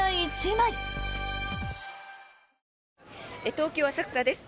東京・浅草です。